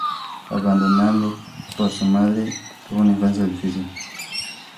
Abandonado por su madre, tuvo una infancia difícil.